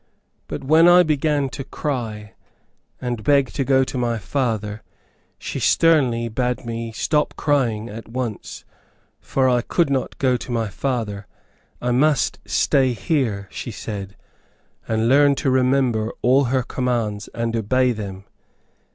But when I began to cry, and beg to go to my father, she sternly bade me stop crying at once, for I could not go to my father. I must stay there, she said, and learn to remember all her commands and obey then.